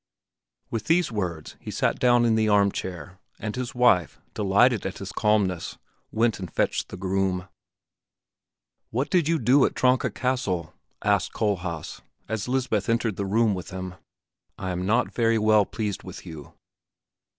With these words he sat down in the arm chair and his wife, delighted at his calmness, went and fetched the groom. "What did you do at Tronka Castle," asked Kohlhaas, as Lisbeth entered the room with him. "I am not very well pleased with you."